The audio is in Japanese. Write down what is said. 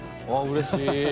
うれしい！